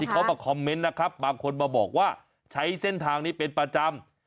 เขามาคอมเมนต์นะครับบางคนมาบอกว่าใช้เส้นทางนี้เป็นประจำ